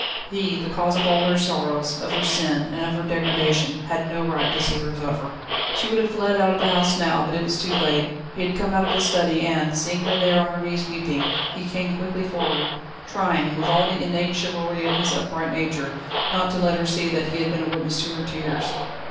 He, the cause of all her sorrows, of her sin, and of her degradation, had no right to see her suffer. She would have fled out of the house now, but it was too late. He had come out of his study, and, seeing her there on her knees weeping, he came quickly forward, trying, with all the innate chivalry of his upright nature, not to let her see that he had been a witness to her tears.